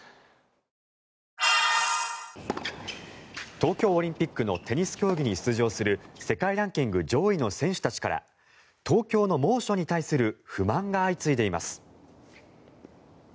東京オリンピックのテニス競技に出場する世界ランキング上位の選手たちから東京の猛暑に対する不満が相次いでいます。